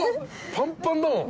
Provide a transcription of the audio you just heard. パンパンだもん。